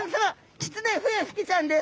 キツネフエフキちゃんです！